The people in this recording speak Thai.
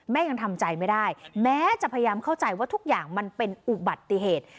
ยังทำใจไม่ได้แม้จะพยายามเข้าใจว่าทุกอย่างมันเป็นอุบัติเหตุ